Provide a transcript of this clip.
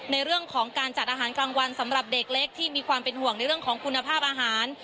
ในเรื่องของการจัดอาหารกลางวันสำหรับเด็กเล็กที่มีความเป็นห่วงในเรื่องของคุณภาพอาหาร